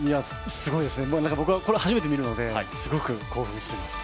すごいですね、初めて見るのですごく興奮しています。